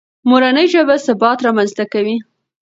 مورنۍ ژبه ثبات رامنځته کوي.